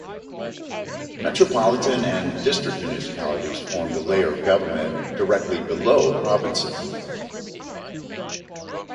Metropolitan and district municipalities form the layer of government directly below provinces.